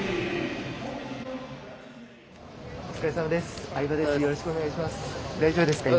お疲れさまです